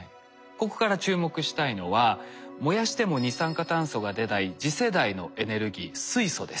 ここから注目したいのは燃やしても二酸化炭素が出ない次世代のエネルギー水素です。